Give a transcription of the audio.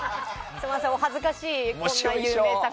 すみません、お恥ずかしい。